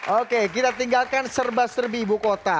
oke kita tinggalkan serba serbi ibu kota